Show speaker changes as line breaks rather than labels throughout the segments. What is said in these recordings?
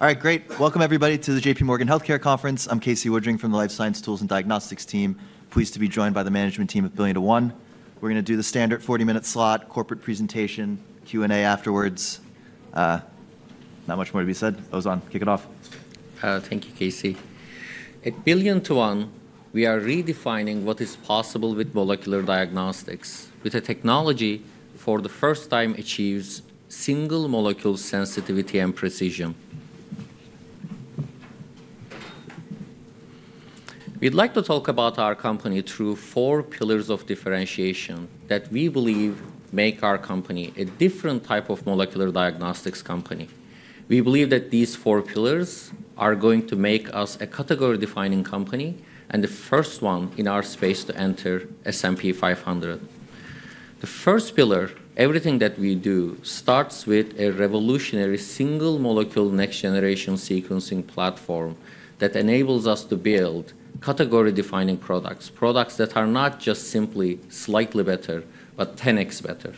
All right, great. Welcome, everybody, to the JPMorgan Healthcare Conference. I'm Casey Woodring from the Life Science Tools and Diagnostics team, pleased to be joined by the management team at BillionToOne. We're going to do the standard 40-minute slot, corporate presentation, Q&A afterwards. Not much more to be said. Oguzhan, kick it off.
Thank you, Casey. At BillionToOne, we are redefining what is possible with molecular diagnostics, with a technology that, for the first time, achieves single molecule sensitivity and precision. We'd like to talk about our company through four pillars of differentiation that we believe make our company a different type of molecular diagnostics company. We believe that these four pillars are going to make us a category-defining company and the first one in our space to enter S&P 500. The first pillar, everything that we do, starts with a revolutionary single molecule next-generation sequencing platform that enables us to build category-defining products, products that are not just simply slightly better, but 10x better.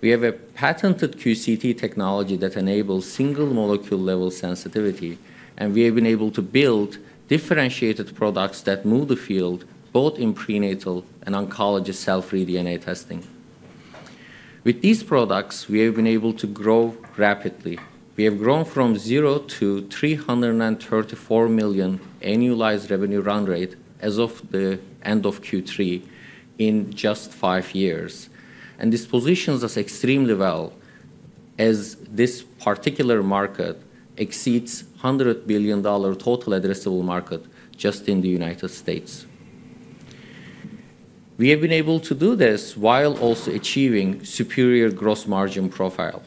We have a patented QCT technology that enables single molecule-level sensitivity, and we have been able to build differentiated products that move the field, both in prenatal and oncology cell-free DNA testing. With these products, we have been able to grow rapidly. We have grown from $0 million-$334 million annualized revenue run rate as of the end of Q3 in just five years. This positions us extremely well, as this particular market exceeds $100 billion total addressable market just in the United States. We have been able to do this while also achieving superior gross margin profile.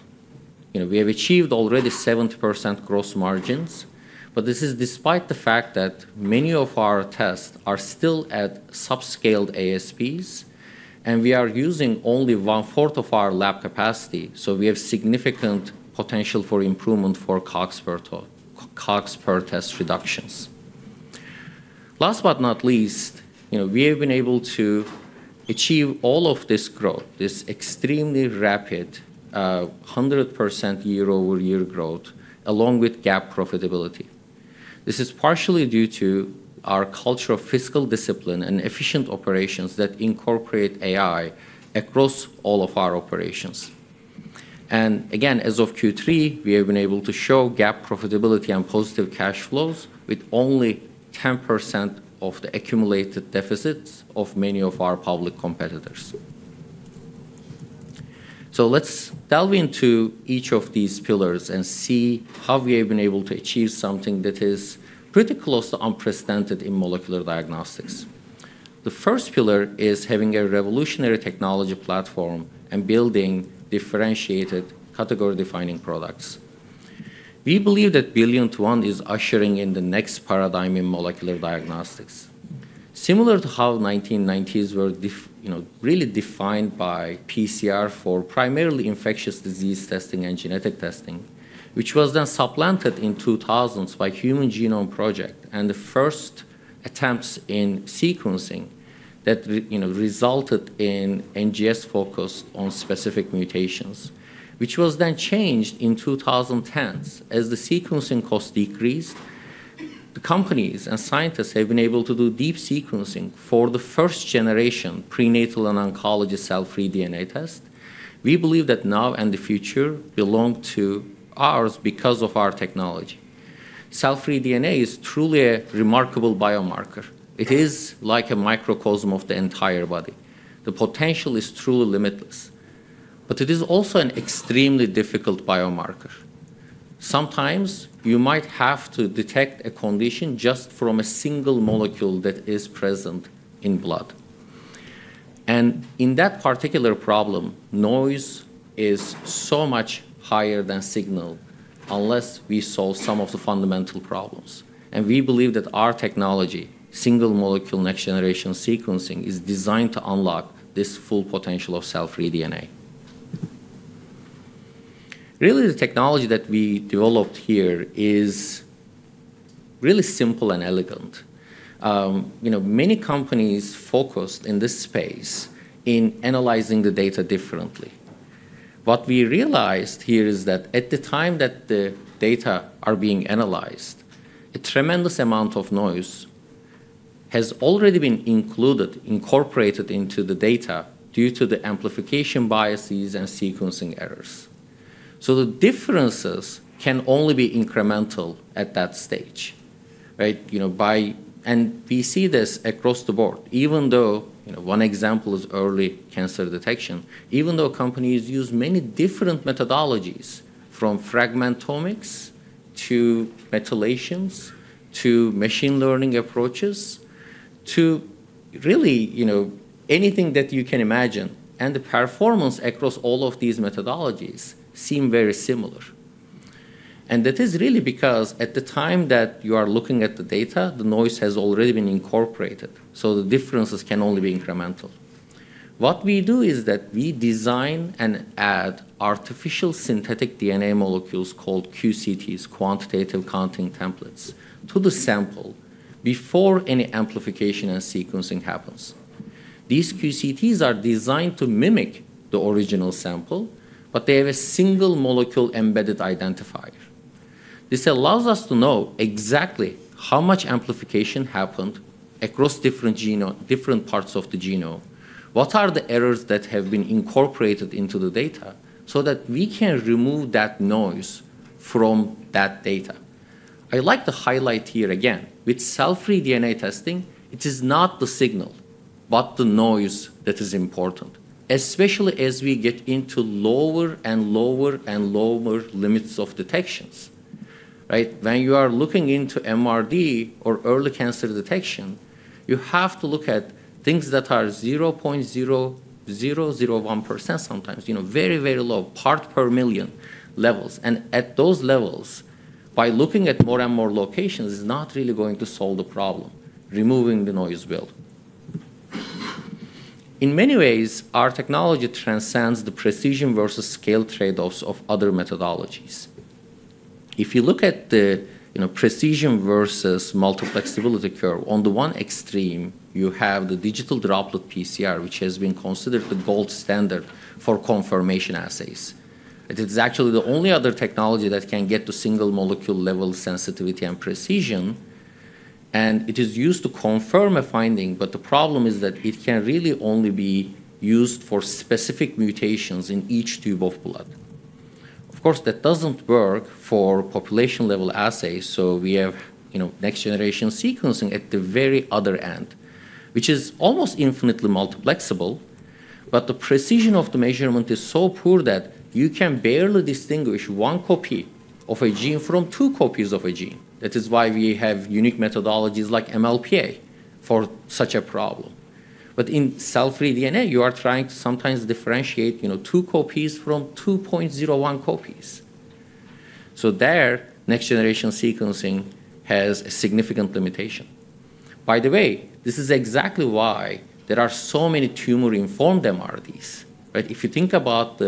We have achieved already 70% gross margins, but this is despite the fact that many of our tests are still at subscaled ASPs, and we are using only 1/4 of our lab capacity, so we have significant potential for improvement for COGS per test reductions. Last but not least, we have been able to achieve all of this growth, this extremely rapid 100% year-over-year growth, along with GAAP profitability. This is partially due to our culture of fiscal discipline and efficient operations that incorporate AI across all of our operations. Again, as of Q3, we have been able to show GAAP profitability and positive cash flows with only 10% of the accumulated deficits of many of our public competitors. Let's delve into each of these pillars and see how we have been able to achieve something that is pretty close to unprecedented in molecular diagnostics. The first pillar is having a revolutionary technology platform and building differentiated category-defining products. We believe that BillionToOne is ushering in the next paradigm in molecular diagnostics, similar to how the 1990s were really defined by PCR for primarily infectious disease testing and genetic testing, which was then supplanted in the 2000s by the Human Genome Project and the first attempts in sequencing that resulted in NGS focused on specific mutations, which was then changed in the 2010s. As the sequencing cost decreased, the companies and scientists have been able to do deep sequencing for the first-generation prenatal and oncology cell-free DNA test. We believe that now and the future belong to ours because of our technology. Cell-free DNA is truly a remarkable biomarker, It is like a microcosm of the entire body. The potential is truly limitless, but it is also an extremely difficult biomarker. Sometimes you might have to detect a condition just from a single molecule that is present in blood. In that particular problem, noise is so much higher than signal unless we solve some of the fundamental problems. We believe that our technology, single molecule next-generation sequencing, is designed to unlock this full potential of cell-free DNA. Really, the technology that we developed here is really simple and elegant. Many companies focused in this space on analyzing the data differently. What we realized here is that at the time that the data are being analyzed, a tremendous amount of noise has already been included, incorporated into the data due to the amplification biases and sequencing errors. So the differences can only be incremental at that stage. We see this across the board. Even though one example is early cancer detection, even though companies use many different methodologies, from fragmentomics to methylations to machine learning approaches to really anything that you can imagine, and the performance across all of these methodologies seems very similar, and that is really because at the time that you are looking at the data, the noise has already been incorporated, so the differences can only be incremental. What we do is that we design and add artificial synthetic DNA molecules called QCTs, quantitative counting templates, to the sample before any amplification and sequencing happens. These QCTs are designed to mimic the original sample, but they have a single molecule embedded identifier. This allows us to know exactly how much amplification happened across different parts of the genome, what are the errors that have been incorporated into the data, so that we can remove that noise from that data. I'd like to highlight here again, with cell-free DNA testing, it is not the signal, but the noise that is important, especially as we get into lower and lower and lower limits of detections. When you are looking into MRD or early cancer detection, you have to look at things that are 0.0001% sometimes, very, very low, part per million levels, and at those levels, by looking at more and more locations, it's not really going to solve the problem. Removing the noise will. In many ways, our technology transcends the precision versus scale trade-offs of other methodologies. If you look at the precision versus multiplexibility curve, on the one extreme, you have the digital droplet PCR, which has been considered the gold standard for confirmation assays. It is actually the only other technology that can get to single molecule-level sensitivity and precision, and it is used to confirm a finding, but the problem is that it can really only be used for specific mutations in each tube of blood. Of course, that doesn't work for population-level assays, so we have next-generation sequencing at the very other end, which is almost infinitely multiplexible, but the precision of the measurement is so poor that you can barely distinguish one copy of a gene from two copies of a gene. That is why we have unique methodologies like MLPA for such a problem. But in cell-free DNA, you are trying to sometimes differentiate 2 copies from 2.01 copies. So there, next-generation sequencing has a significant limitation. By the way, this is exactly why there are so many tumor-informed MRDs. If you think about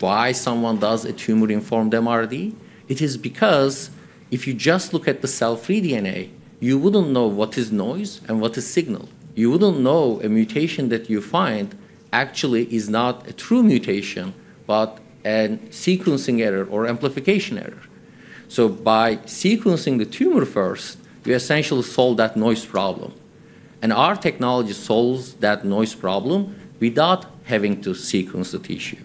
why someone does a tumor-informed MRD, it is because if you just look at the cell-free DNA, you wouldn't know what is noise and what is signal. You wouldn't know a mutation that you find actually is not a true mutation, but a sequencing error or amplification error. So by sequencing the tumor first, we essentially solve that noise problem. And our technology solves that noise problem without having to sequence the tissue.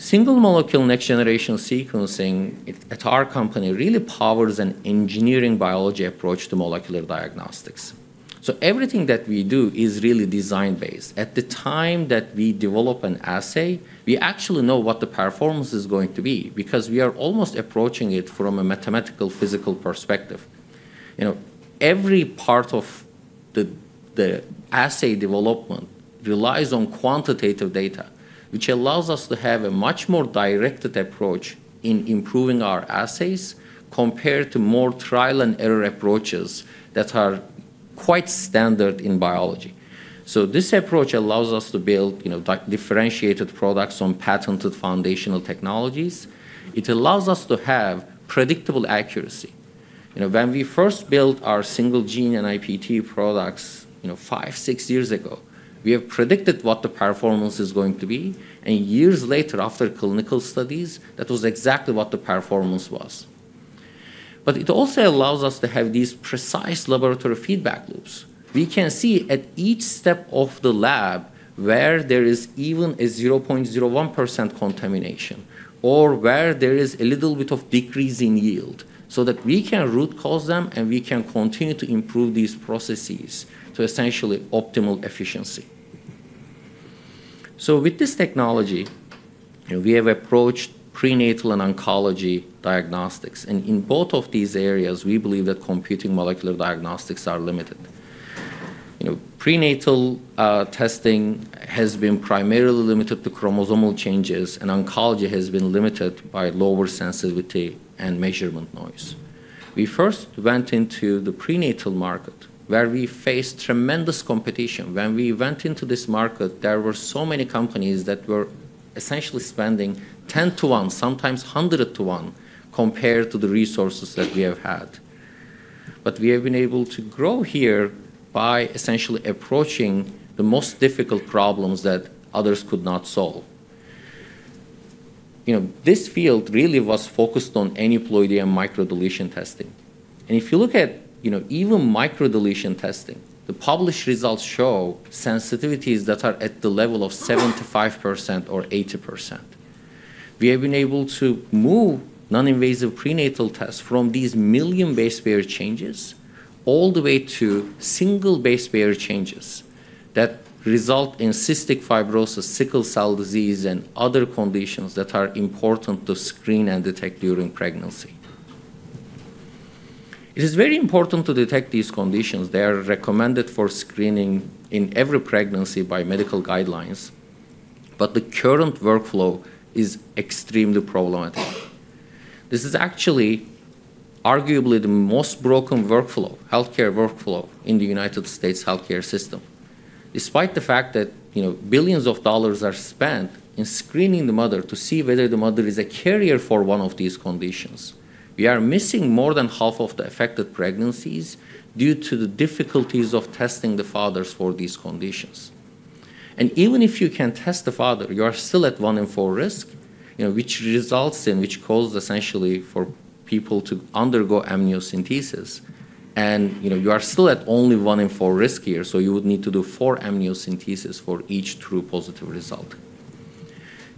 Single molecule next-generation sequencing at our company really powers an engineering biology approach to molecular diagnostics. So everything that we do is really design-based. At the time that we develop an assay, we actually know what the performance is going to be because we are almost approaching it from a mathematical physical perspective. Every part of the assay development relies on quantitative data, which allows us to have a much more directed approach in improving our assays compared to more trial-and-error approaches that are quite standard in biology. So this approach allows us to build differentiated products on patented foundational technologies. It allows us to have predictable accuracy. When we first built our single-gene NIPT products five, six years ago, we have predicted what the performance is going to be, and years later, after clinical studies, that was exactly what the performance was. But it also allows us to have these precise laboratory feedback loops. We can see at each step of the lab where there is even a 0.01% contamination or where there is a little bit of decrease in yield so that we can root cause them and we can continue to improve these processes to essentially optimal efficiency. With this technology, we have approached prenatal and oncology diagnostics. In both of these areas, we believe that current molecular diagnostics are limited. Prenatal testing has been primarily limited to chromosomal changes, and oncology has been limited by lower sensitivity and measurement noise. We first went into the prenatal market, where we faced tremendous competition. When we went into this market, there were so many companies that were essentially spending 10 to 1, sometimes 100 to 1, compared to the resources that we have had. We have been able to grow here by essentially approaching the most difficult problems that others could not solve. This field really was focused on aneuploidy and microdeletion testing. If you look at even microdeletion testing, the published results show sensitivities that are at the level of 75% or 80%. We have been able to move non-invasive prenatal tests from these million base pair changes all the way to single base pair changes that result in cystic fibrosis, sickle cell disease, and other conditions that are important to screen and detect during pregnancy. It is very important to detect these conditions. They are recommended for screening in every pregnancy by medical guidelines, but the current workflow is extremely problematic. This is actually arguably the most broken healthcare workflow in the United States healthcare system. Despite the fact that billions of dollars are spent in screening the mother to see whether the mother is a carrier for one of these conditions, we are missing more than half of the affected pregnancies due to the difficulties of testing the fathers for these conditions. And even if you can test the father, you are still at one in four risk, which causes essentially for people to undergo amniocentesis. And you are still at only one in four risk here, so you would need to do four amniocentesis for each true positive result.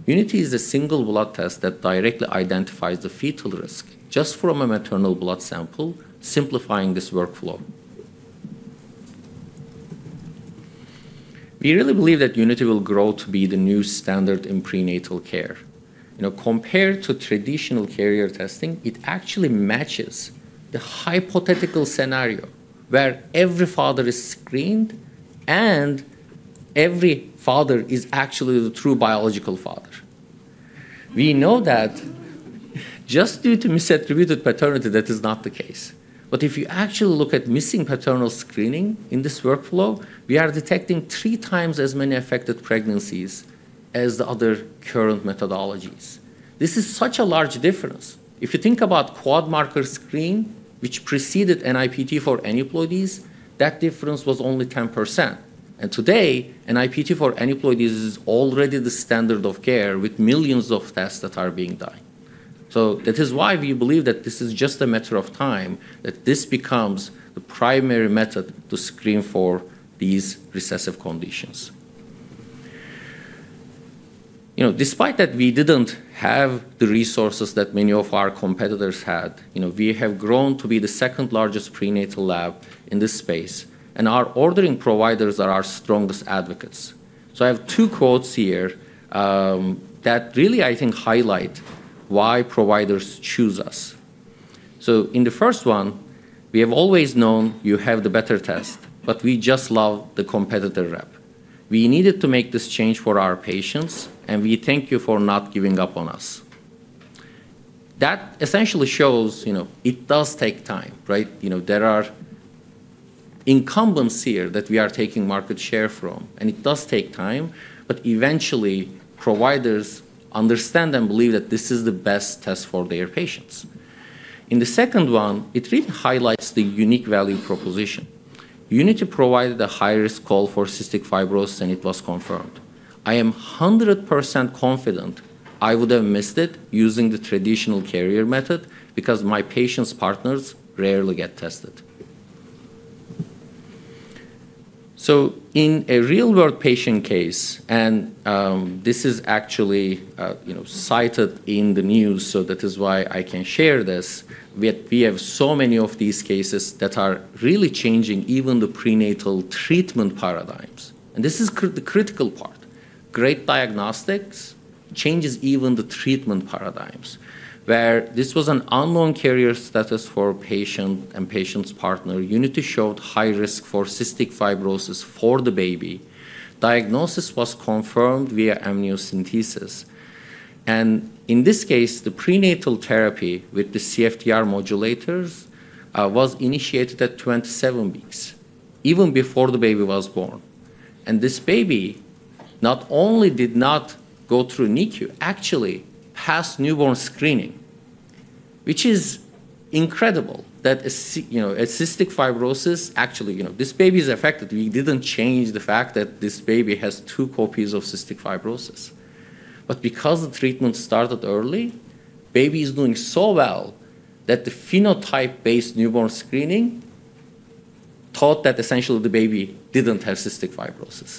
UNITY is a single blood test that directly identifies the fetal risk just from a maternal blood sample, simplifying this workflow. We really believe that UNITY will grow to be the new standard in prenatal care. Compared to traditional carrier testing, it actually matches the hypothetical scenario where every father is screened and every father is actually the true biological father. We know that just due to misattributed paternity, that is not the case. But if you actually look at missing paternal screening in this workflow, we are detecting three times as many affected pregnancies as the other current methodologies. This is such a large difference. If you think about Quad Marker Screen, which preceded NIPT for aneuploidies, that difference was only 10%. And today, NIPT for aneuploidies is already the standard of care with millions of tests that are being done. So that is why we believe that this is just a matter of time that this becomes the primary method to screen for these recessive conditions. Despite that, we didn't have the resources that many of our competitors had. We have grown to be the second largest prenatal lab in this space, and our ordering providers are our strongest advocates. So I have two quotes here that really, I think, highlight why providers choose us. So in the first one, we have always known you have the better test, but we just love the competitor rep. We needed to make this change for our patients, and we thank you for not giving up on us. That essentially shows it does take time. There are incumbents here that we are taking market share from, and it does take time, but eventually, providers understand and believe that this is the best test for their patients. In the second one, it really highlights the unique value proposition. UNITY provided a high-risk call for cystic fibrosis, and it was confirmed. I am 100% confident I would have missed it using the traditional carrier method because my patients' partners rarely get tested. In a real-world patient case, and this is actually cited in the news, so that is why I can share this, we have so many of these cases that are really changing even the prenatal treatment paradigms. This is the critical part. Great diagnostics changes even the treatment paradigms, where this was an unknown carrier status for a patient and patient's partner. UNITY showed high risk for cystic fibrosis for the baby. Diagnosis was confirmed via amniocentesis. In this case, the prenatal therapy with the CFTR modulators was initiated at 27 weeks, even before the baby was born. This baby not only did not go through NICU, actually passed newborn screening, which is incredible that a cystic fibrosis actually this baby is affected. We didn't change the fact that this baby has two copies of cystic fibrosis. But because the treatment started early, the baby is doing so well that the phenotype-based newborn screening thought that essentially the baby didn't have cystic fibrosis.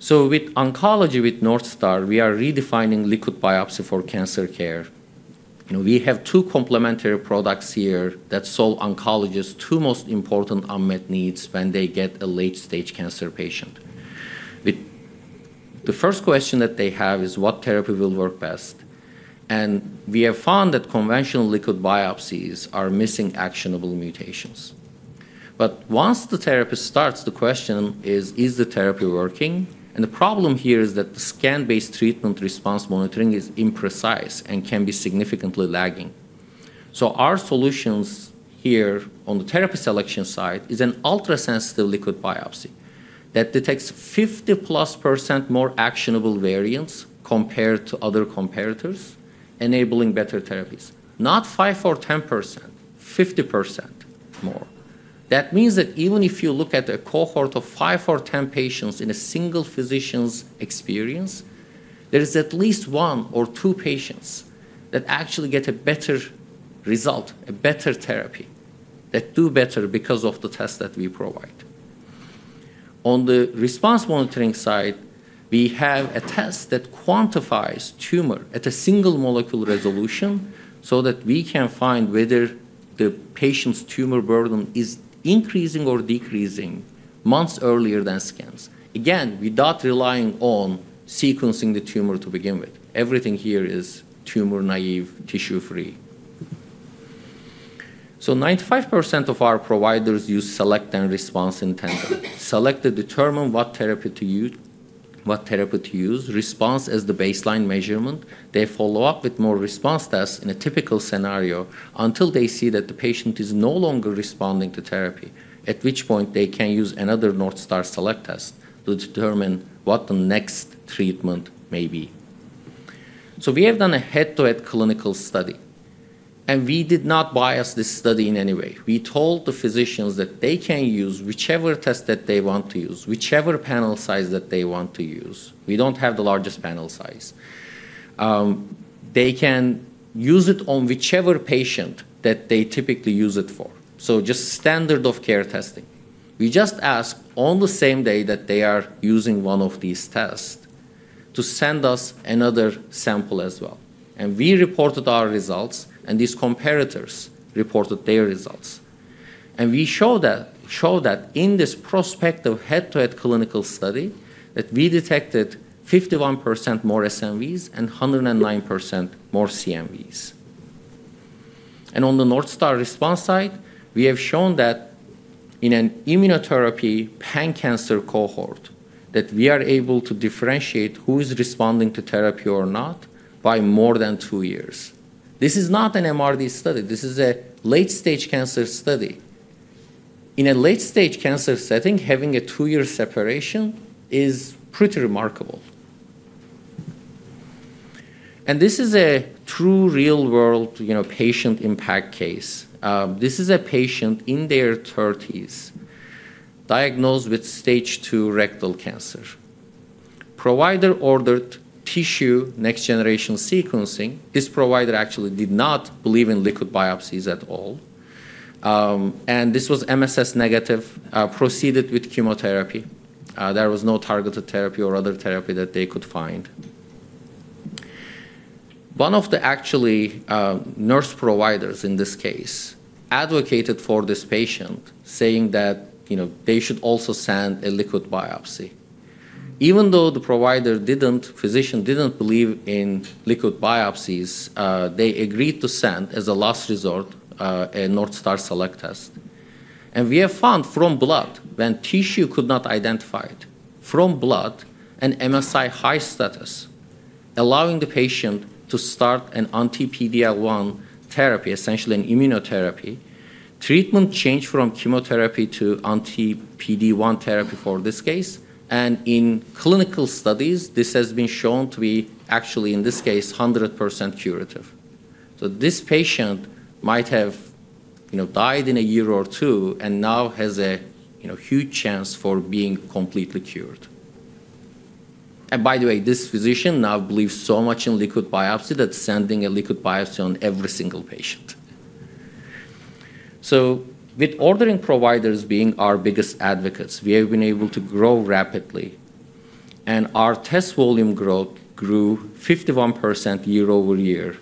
So with oncology with Northstar, we are redefining liquid biopsy for cancer care. We have two complementary products here that solve oncologists' two most important unmet needs when they get a late-stage cancer patient. The first question that they have is, what therapy will work best? And we have found that conventional liquid biopsies are missing actionable mutations. But once the therapy starts, the question is, is the therapy working? And the problem here is that the scan-based treatment response monitoring is imprecise and can be significantly lagging. So our solutions here on the therapy selection side is an ultrasensitive liquid biopsy that detects 50-plus% more actionable variants compared to other competitors, enabling better therapies. Not 5 or 10%, 50% more. That means that even if you look at a cohort of five or 10 patients in a single physician's experience, there is at least one or two patients that actually get a better result, a better therapy, that do better because of the test that we provide. On the response monitoring side, we have a test that quantifies tumor at a single-molecule resolution so that we can find whether the patient's tumor burden is increasing or decreasing months earlier than scans. Again, without relying on sequencing the tumor to begin with. Everything here is tumor-naive, tissue-free. So 95% of our providers use Select and Response in tandem. Select to determine what therapy to use, response as the baseline measurement. They follow up with more response tests in a typical scenario until they see that the patient is no longer responding to therapy, at which point they can use another Northstar Select test to determine what the next treatment may be. So we have done a head-to-head clinical study, and we did not bias this study in any way. We told the physicians that they can use whichever test that they want to use, whichever panel size that they want to use. We don't have the largest panel size. They can use it on whichever patient that they typically use it for. So just standard of care testing. We just asked on the same day that they are using one of these tests to send us another sample as well and we reported our results, and these competitors reported their results. We show that in this prospective head-to-head clinical study that we detected 51% more SNVs and 109% more CNVs. On the Northstar Response side, we have shown that in an immunotherapy pan-cancer cohort that we are able to differentiate who is responding to therapy or not by more than two years. This is not an MRD study. This is a late-stage cancer study. In a late-stage cancer setting, having a two-year separation is pretty remarkable. This is a true real-world patient impact case. This is a patient in their 30s diagnosed with stage II rectal cancer. Provider ordered tissue next-generation sequencing. This provider actually did not believe in liquid biopsies at all. This was MSS negative, proceeded with chemotherapy. There was no targeted therapy or other therapy that they could find. One of the actual nurse providers in this case advocated for this patient, saying that they should also send a liquid biopsy. Even though the physician didn't believe in liquid biopsies, they agreed to send as a last resort a Northstar Select test. And we have found from blood, when tissue could not identify it, from blood, an MSI high status allowing the patient to start an anti-PD-L1 therapy, essentially an immunotherapy. Treatment changed from chemotherapy to anti-PD-1 therapy for this case and in clinical studies, this has been shown to be actually, in this case, 100% curative. So this patient might have died in a year or two and now has a huge chance for being completely cured and by the way, this physician now believes so much in liquid biopsy that sending a liquid biopsy on every single patient. So with ordering providers being our biggest advocates, we have been able to grow rapidly. And our test volume grew 51% year-over-year.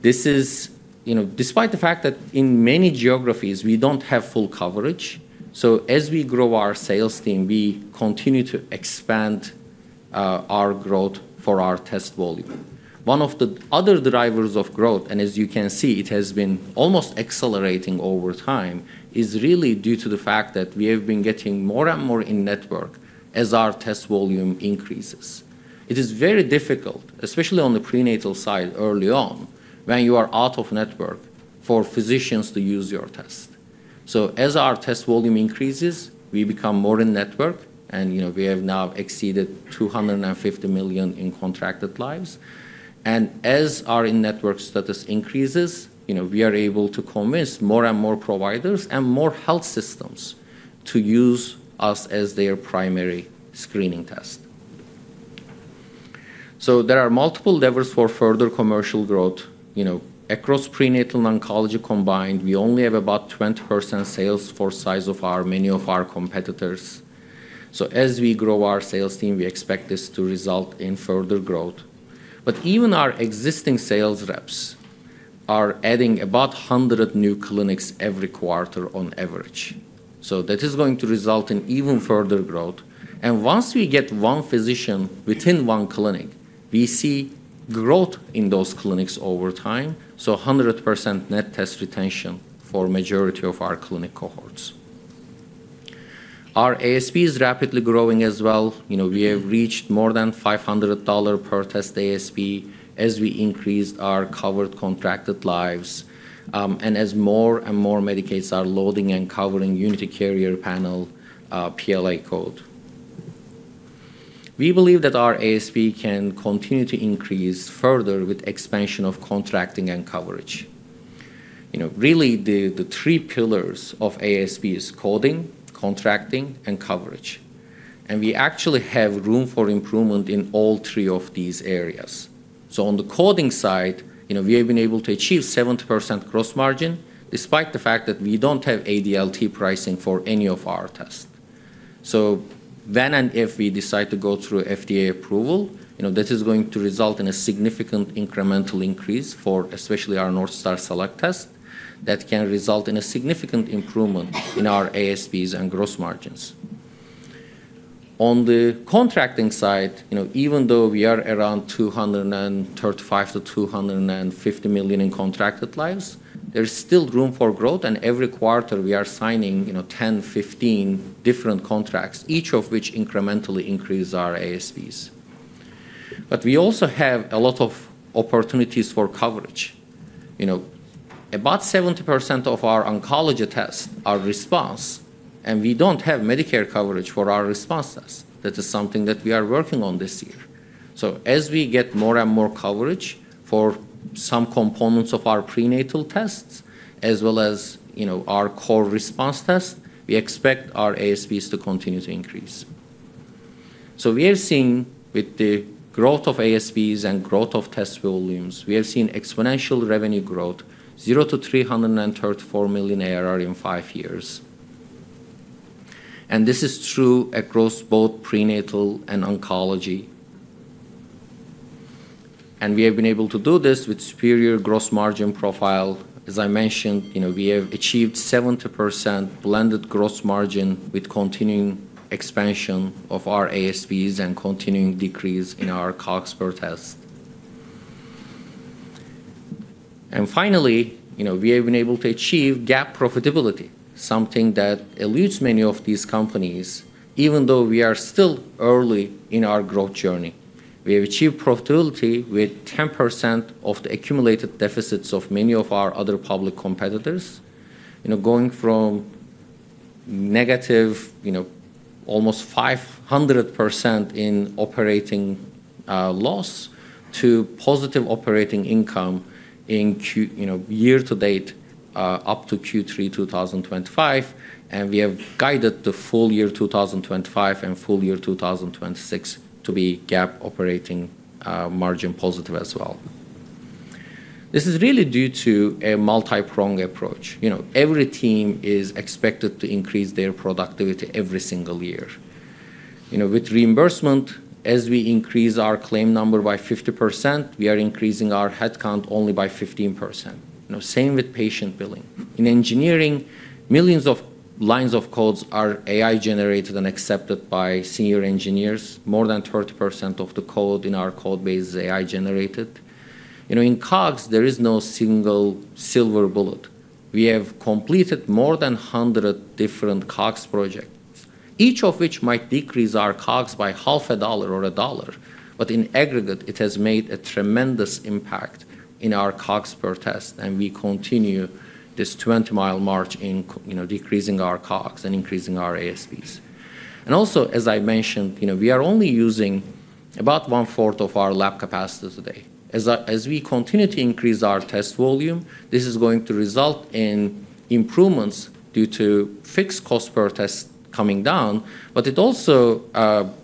This is despite the fact that in many geographies, we don't have full coverage. So as we grow our sales team, we continue to expand our growth for our test volume. One of the other drivers of growth, and as you can see, it has been almost accelerating over time, is really due to the fact that we have been getting more and more in network as our test volume increases. It is very difficult, especially on the prenatal side early on, when you are out of network for physicians to use your test. So as our test volume increases, we become more in network, and we have now exceeded 250 million in contracted lives. As our in-network status increases, we are able to convince more and more providers and more health systems to use us as their primary screening test. So there are multiple levers for further commercial growth. Across prenatal and oncology combined, we only have about 20% the sales force size of many of our competitors. So as we grow our sales team, we expect this to result in further growth. But even our existing sales reps are adding about 100 new clinics every quarter on average. So that is going to result in even further growth. And once we get one physician within one clinic, we see growth in those clinics over time. So 100% net test retention for the majority of our clinic cohorts. Our ASP is rapidly growing as well. We have reached more than $500 per test ASP as we increase our covered contracted lives and as more and more Medicaids are loading and covering UNITY Carrier Panel PLA code. We believe that our ASP can continue to increase further with expansion of contracting and coverage. Really, the three pillars of ASP is coding, contracting, and coverage. And we actually have room for improvement in all three of these areas. So on the coding side, we have been able to achieve 70% gross margin despite the fact that we don't have ADLT pricing for any of our tests. So when and if we decide to go through FDA approval, that is going to result in a significant incremental increase for especially our Northstar Select test that can result in a significant improvement in our ASPs and gross margins. On the contracting side, even though we are around 235-250 million in contracted lives, there is still room for growth. And every quarter, we are signing 10-15 different contracts, each of which incrementally increases our ASPs. But we also have a lot of opportunities for coverage. About 70% of our oncology tests are response, and we don't have Medicare coverage for our response tests. That is something that we are working on this year. So as we get more and more coverage for some components of our prenatal tests, as well as our core response tests, we expect our ASPs to continue to increase. So we are seeing with the growth of ASPs and growth of test volumes, we have seen exponential revenue growth, 0-334 million ARR in five years. And this is true across both prenatal and oncology. We have been able to do this with superior gross margin profile. As I mentioned, we have achieved 70% blended gross margin with continuing expansion of our ASPs and continuing decrease in our COGS per test. Finally, we have been able to achieve GAAP profitability, something that eludes many of these companies, even though we are still early in our growth journey. We have achieved profitability with 10% of the accumulated deficits of many of our other public competitors, going from negative almost 500% in operating loss to positive operating income in year-to-date up to Q3 2025. We have guided the full year 2025 and full year 2026 to be GAAP operating margin positive as well. This is really due to a multi-prong approach. Every team is expected to increase their productivity every single year. With reimbursement, as we increase our claim number by 50%, we are increasing our headcount only by 15%. Same with patient billing. In engineering, millions of lines of codes are AI-generated and accepted by senior engineers. More than 30% of the code in our code base is AI-generated. In COGS, there is no single silver bullet. We have completed more than 100 different COGS projects, each of which might decrease our COGS by $0.50 or $1. But in aggregate, it has made a tremendous impact in our COGS per test and we continue this 20 mi march in decreasing our COGS and increasing our ASPs and also, as I mentioned, we are only using about 1/4 of our lab capacity today. As we continue to increase our test volume, this is going to result in improvements due to fixed cost per test coming down, but it also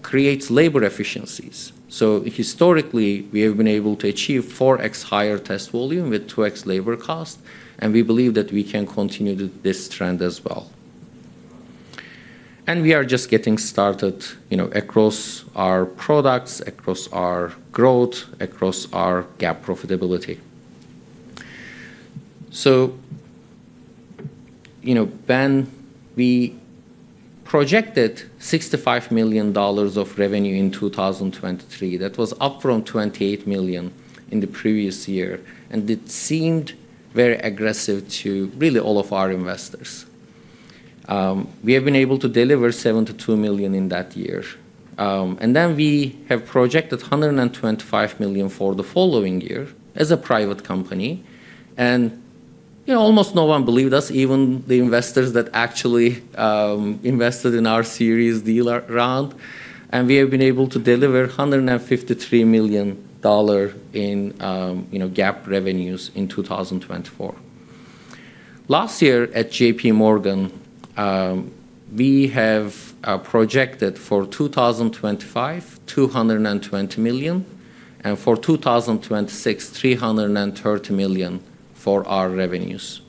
creates labor efficiencies. So historically, we have been able to achieve 4x higher test volume with 2x labor cost. And we believe that we can continue this trend as well. And we are just getting started across our products, across our growth, across our GAAP profitability. So when we projected $65 million of revenue in 2023, that was up from $28 million in the previous year and it seemed very aggressive to really all of our investors. We have been able to deliver $72 million in that year. Then we have projected $125 million for the following year as a private company and almost no one believed us, even the investors that actually invested in our Series D round. We have been able to deliver $153 million in GAAP revenues in 2024. Last year at JPMorgan, we have projected for 2025, $220 million, and for 2026, $330 million for our revenues.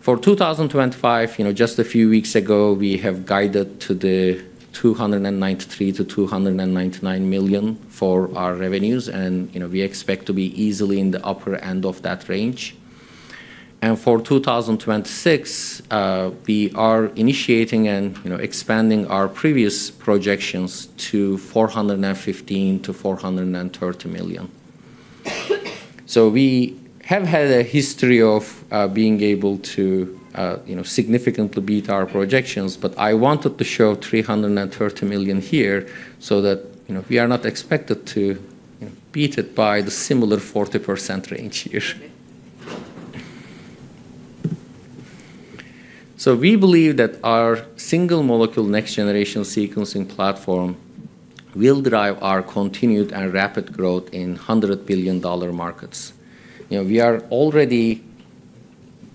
For 2025, just a few weeks ago, we have guided to the $293 million-$299 million for our revenues. We expect to be easily in the upper end of that range. For 2026, we are initiating and expanding our previous projections to $415 million-$430 million. We have had a history of being able to significantly beat our projections, but I wanted to show $330 million here so that we are not expected to beat it by the similar 40% range here. We believe that our single molecule next-generation sequencing platform will drive our continued and rapid growth in $100 billion markets. We are already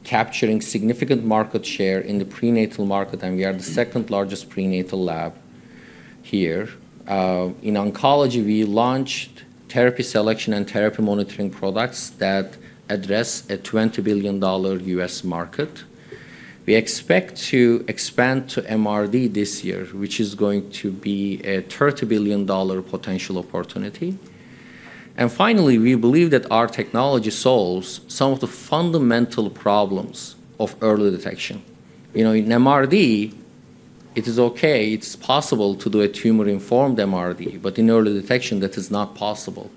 capturing significant market share in the prenatal market, and we are the second largest prenatal lab here. In oncology, we launched therapy selection and therapy monitoring products that address a $20 billion U.S. market. We expect to expand to MRD this year, which is going to be a $30 billion potential opportunity. And finally, we believe that our technology solves some of the fundamental problems of early detection. In MRD, it is okay. It's possible to do a tumor-informed MRD, but in early detection, that is not possible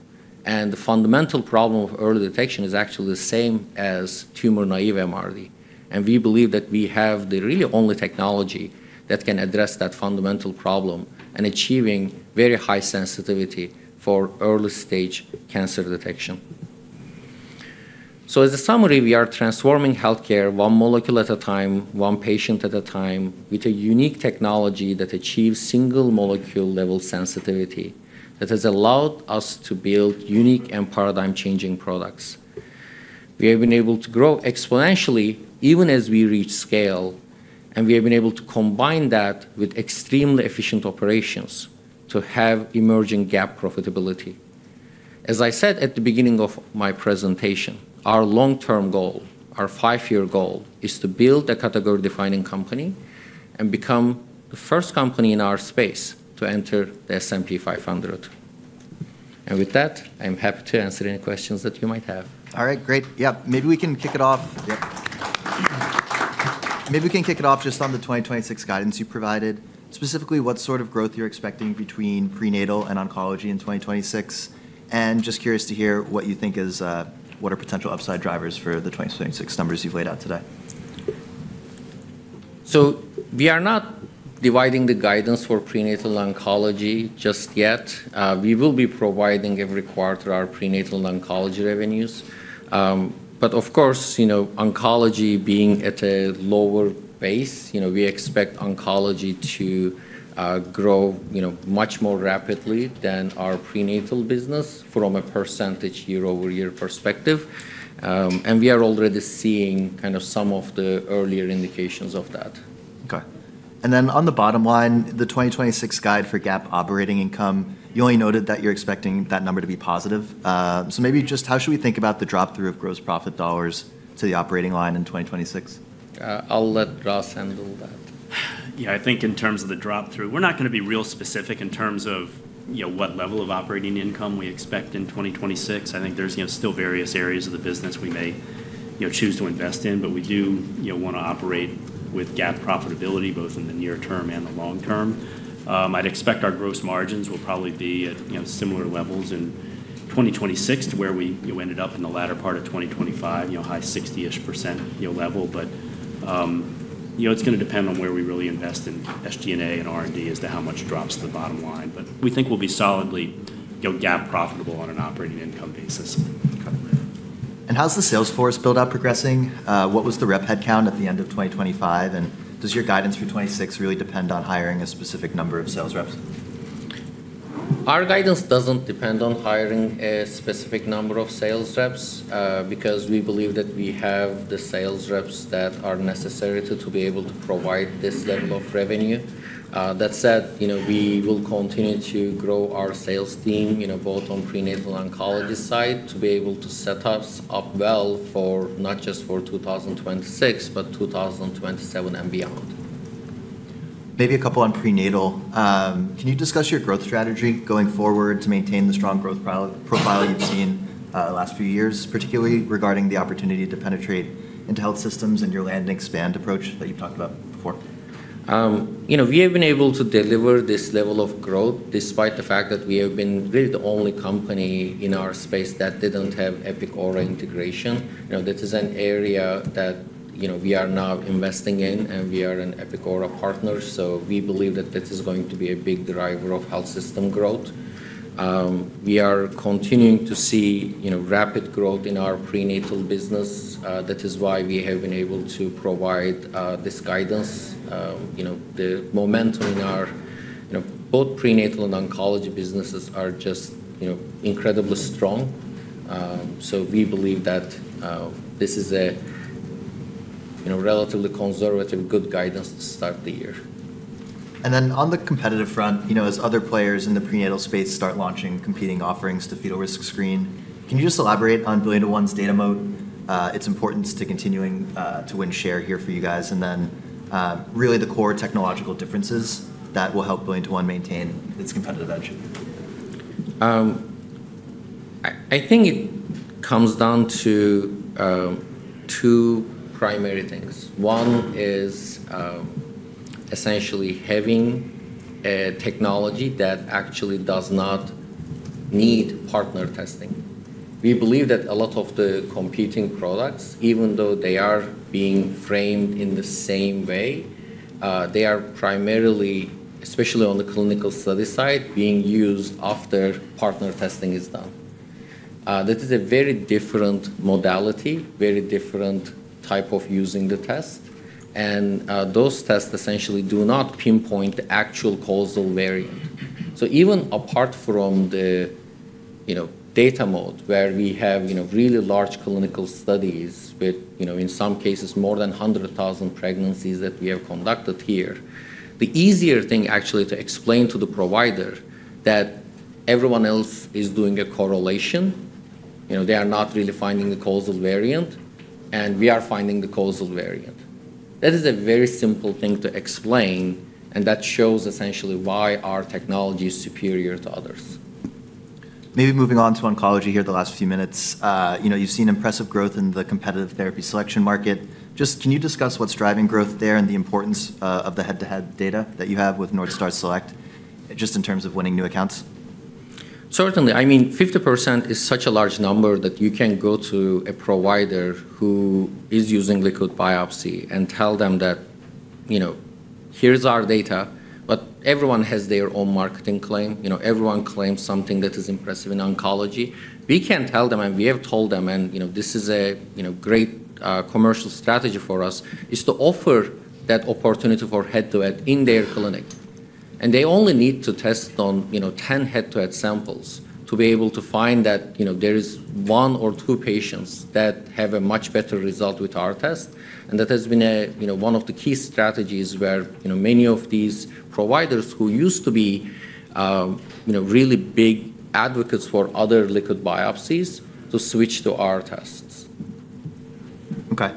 and the fundamental problem of early detection is actually the same as tumor-naive MRD. And we believe that we have the really only technology that can address that fundamental problem and achieving very high sensitivity for early-stage cancer detection. As a summary, we are transforming healthcare one molecule at a time, one patient at a time, with a unique technology that achieves single molecule-level sensitivity that has allowed us to build unique and paradigm-changing products. We have been able to grow exponentially even as we reach scale and we have been able to combine that with extremely efficient operations to have emerging GAAP profitability. As I said at the beginning of my presentation, our long-term goal, our five-year goal, is to build a category-defining company and become the first company in our space to enter the S&P 500. With that, I'm happy to answer any questions that you might have.
All right. Great. Yeah. Yep. Maybe we can kick it off just on the 2026 guidance you provided, specifically what sort of growth you're expecting between prenatal and oncology in 2026. And just curious to hear what you think is what are potential upside drivers for the 2026 numbers you've laid out today.
So we are not dividing the guidance for prenatal oncology just yet. We will be providing every quarter our prenatal oncology revenues. But of course, oncology being at a lower base, we expect oncology to grow much more rapidly than our Prenatal business from a percentage year-over-year perspective. And we are already seeing kind of some of the earlier indications of that.
Okay and then on the bottom line, the 2026 guide for GAAP operating income, you only noted that you're expecting that number to be positive. So maybe just how should we think about the drop-through of gross profit dollars to the operating line in 2026?
I'll let Ross handle that.
Yeah. I think in terms of the drop-through, we're not going to be real specific in terms of what level of operating income we expect in 2026. I think there's still various areas of the business we may choose to invest in, but we do want to operate with GAAP profitability both in the near term and the long term. I'd expect our gross margins will probably be at similar levels in 2026 to where we ended up in the latter part of 2025, high 60-ish% level. But it's going to depend on where we really invest in SG&A and R&D as to how much drops the bottom line. But we think we'll be solidly GAAP profitable on an operating income basis.
And how's the sales force build-out progressing? What was the rep headcount at the end of 2025? And does your guidance for 2026 really depend on hiring a specific number of sales reps?
Our guidance doesn't depend on hiring a specific number of sales reps because we believe that we have the sales reps that are necessary to be able to provide this level of revenue. That said, we will continue to grow our sales team both on prenatal oncology side to be able to set us up well for not just 2026, but 2027 and beyond.
Maybe a couple on prenatal. Can you discuss your growth strategy going forward to maintain the strong growth profile you've seen the last few years, particularly regarding the opportunity to penetrate into health systems and your land and expand approach that you've talked about before?
We have been able to deliver this level of growth despite the fact that we have been really the only company in our space that didn't have Epic Aura integration. This is an area that we are now investing in, and we are an Epic Aura partner. So we believe that this is going to be a big driver of health system growth. We are continuing to see rapid growth in our Prenatal business. That is why we have been able to provide this guidance. The momentum in our both Prenatal and Oncology businesses are just incredibly strong. So we believe that this is a relatively conservative good guidance to start the year.
And then on the competitive front, as other players in the prenatal space start launching competing offerings to Fetal Risk Screen, can you just elaborate on BillionToOne's data moat, its importance to continuing to win share here for you guys, and then really the core technological differences that will help BillionToOne maintain its competitive edge?
I think it comes down to two primary things. One is essentially having a technology that actually does not need partner testing. We believe that a lot of the competing products, even though they are being framed in the same way, they are primarily, especially on the clinical study side, being used after partner testing is done. That is a very different modality, very different type of using the test. And those tests essentially do not pinpoint the actual causal variant. So even apart from the data mode where we have really large clinical studies with, in some cases, more than 100,000 pregnancies that we have conducted here, the easier thing actually to explain to the provider that everyone else is doing a correlation. They are not really finding the causal variant, and we are finding the causal variant. That is a very simple thing to explain, and that shows essentially why our technology is superior to others.
Maybe moving on to oncology here the last few minutes. You've seen impressive growth in the competitive therapy selection market. Just can you discuss what's driving growth there and the importance of the head-to-head data that you have with Northstar Select just in terms of winning new accounts?
Certainly. I mean, 50% is such a large number that you can go to a provider who is using liquid biopsy and tell them that, "Here's our data." But everyone has their own marketing claim. Everyone claims something that is impressive in oncology. We can tell them, and we have told them, and this is a great commercial strategy for us, is to offer that opportunity for head-to-head in their clinic. They only need to test on 10 head-to-head samples to be able to find that there is one or two patients that have a much better result with our test. That has been one of the key strategies where many of these providers who used to be really big advocates for other liquid biopsies to switch to our tests.
Okay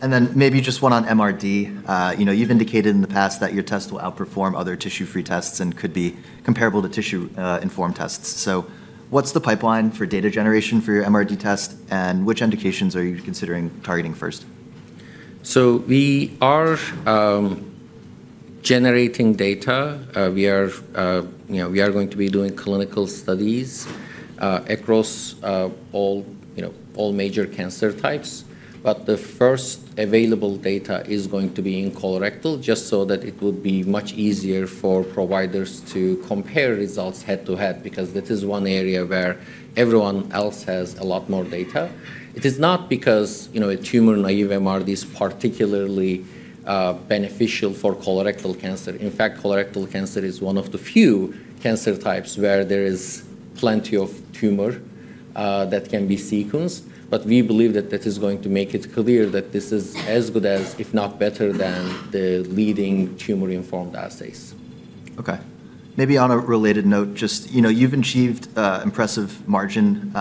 and then maybe just one on MRD. You've indicated in the past that your test will outperform other tissue-free tests and could be comparable to tissue-informed tests. So what's the pipeline for data generation for your MRD test? And which indications are you considering targeting first?
So we are generating data. We are going to be doing clinical studies across all major cancer types. But the first available data is going to be in colorectal just so that it would be much easier for providers to compare results head-to-head because that is one area where everyone else has a lot more data. It is not because a tumor-naive MRD is particularly beneficial for colorectal cancer. In fact, colorectal cancer is one of the few cancer types where there is plenty of tumor that can be sequenced. But we believe that that is going to make it clear that this is as good as, if not better, than the leading tumor-informed assays.
Okay. Maybe on a related note, just you've achieved impressive margin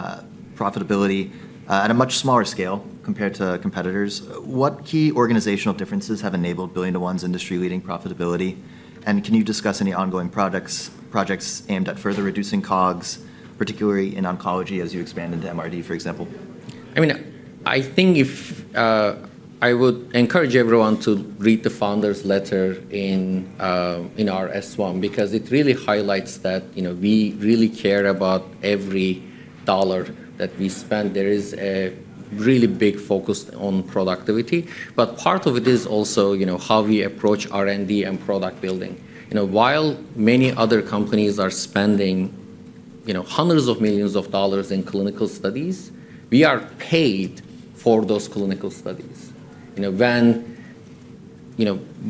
profitability at a much smaller scale compared to competitors. What key organizational differences have enabled BillionToOne's industry-leading profitability? And can you discuss any ongoing projects aimed at further reducing COGS, particularly in oncology as you expand into MRD, for example?
I mean, I think I would encourage everyone to read the founder's letter in our S-1 because it really highlights that we really care about every dollar that we spend. There is a really big focus on productivity. But part of it is also how we approach R&D and product building. While many other companies are spending hundreds of millions of dollars in clinical studies, we are paid for those clinical studies. When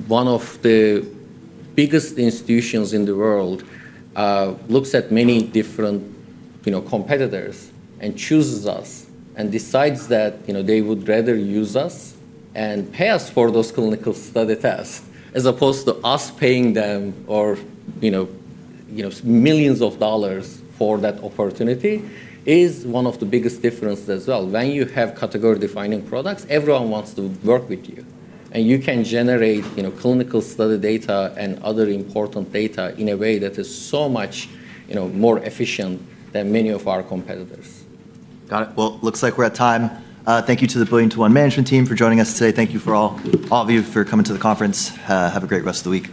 one of the biggest institutions in the world looks at many different competitors and chooses us and decides that they would rather use us and pay us for those clinical study tests as opposed to us paying them millions of dollars for that opportunity is one of the biggest differences as well. When you have category-defining products, everyone wants to work with you. You can generate clinical study data and other important data in a way that is so much more efficient than many of our competitors.
Got it. Well, it looks like we're at time. Thank you to the BillionToOne management team for joining us today. Thank you for all of you for coming to the conference. Have a great rest of the week.